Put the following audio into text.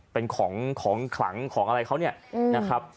เป็นของของขลังของอะไรเขาเนี่ยนะครับ